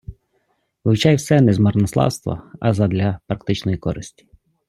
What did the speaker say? Вивчай все не з марнославства, а задля практичної користі.